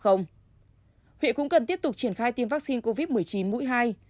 huyện cũng cần tiếp tục triển khai tiêm vaccine covid một mươi chín mũi hai